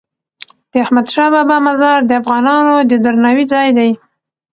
د احمدشاه بابا مزار د افغانانو د درناوي ځای دی.